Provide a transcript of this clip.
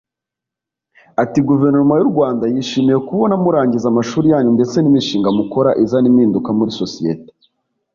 Ati “ Guverinoma y’u Rwanda yishimiye kubona murangiza amashuri yanyu ndetse n’imishinga mukora izana impinduka muri sosiyete